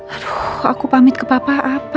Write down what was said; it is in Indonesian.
aduh aku pamit ke papa apa ya